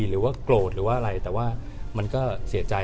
หรือว่าโกรธหรือว่าอะไรแต่ว่ามันก็เสียใจ